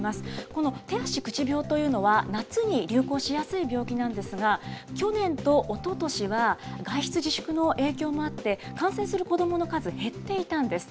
この手足口病というのは、夏に流行しやすい病気なんですが、去年とおととしは、外出自粛の影響もあって、感染する子どもの数、減っていたんです。